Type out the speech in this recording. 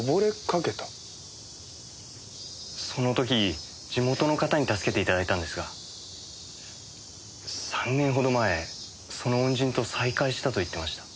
その時地元の方に助けて頂いたんですが３年ほど前その恩人と再会したと言ってました。